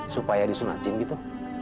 supaya disunatin gitu